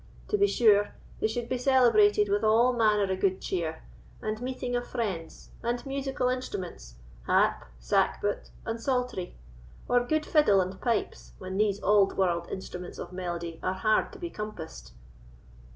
To be sure, they suld be celebrated with all manner of good cheer, and meeting of friends, and musical instruments—harp, sackbut, and psaltery; or gude fiddle and pipes, when these auld warld instruments of melody are hard to be compassed."